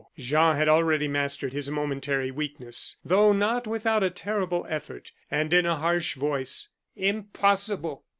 Jean had already mastered his momentary weakness, though not without a terrible effort; and in a harsh voice: "Impossible!